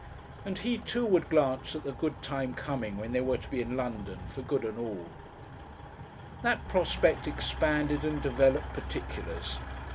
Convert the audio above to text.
And he, too, would glance at the good time coming when they were to be in London for good and all. That prospect expanded and developed particulars.